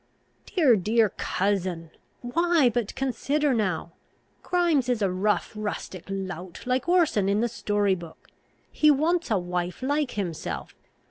"Dear, dear cousin! why, but consider now. Grimes is a rough rustic lout, like Orson in the story book. He wants a wife like himself.